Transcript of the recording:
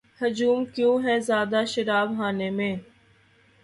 ہجوم کیوں ہے زیادہ شراب خانے میں